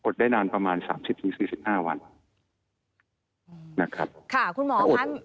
อดได้นานประมาณ๓๐๔๕วันนะครับ